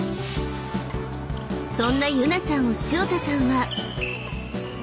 ［そんなユナちゃんを潮田さんは］